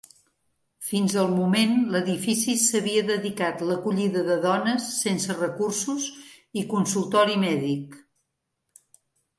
Fins al moment l'edifici s'havia dedicat l'acollida de dones sense recursos i consultori mèdic.